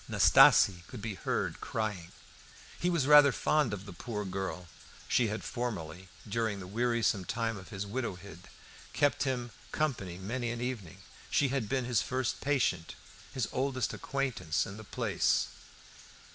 Nastasie could be heard crying. He was rather fond of the poor girl. She had formerly, during the wearisome time of his widowhood, kept him company many an evening. She had been his first patient, his oldest acquaintance in the place.